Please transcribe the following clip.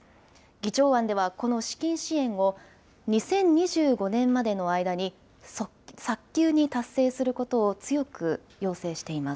議長案ではこの資金支援を、２０２５年までの間に早急に達成することを強く要請しています。